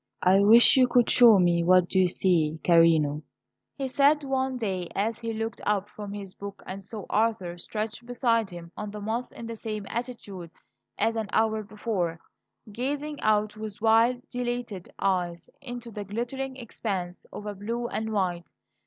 "I wish you could show me what you see, carino," he said one day as he looked up from his book, and saw Arthur stretched beside him on the moss in the same attitude as an hour before, gazing out with wide, dilated eyes into the glittering expanse of blue and white.